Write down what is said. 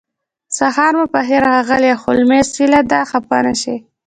سهار مو پخیر ښاغلی هولمز هیله ده خفه نشئ